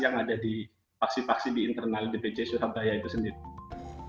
yang ada di faksi faksi di internal dpc surabaya itu sendiri